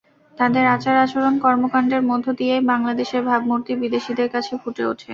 তাদের আচার-আচরণ, কর্মকাণ্ডের মধ্য দিয়েই বাংলাদেশের ভাবমূর্তি বিদেশিদের কাছে ফুটে ওঠে।